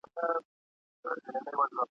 په غومبر یې وه سینه را پړسولې !.